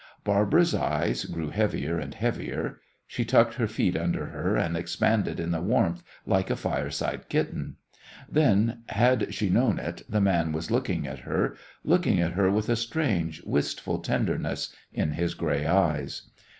Barbara's eyes grew heavier and heavier. She tucked her feet under her and expanded in the warmth like a fireside kitten. Then, had she known it, the man was looking at her, looking at her with a strange, wistful tenderness in his gray eyes.